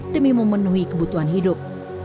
demi memenuhi kebutuhan hidup